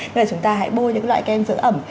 thế là chúng ta hãy bôi những loại kem dưỡng ẩm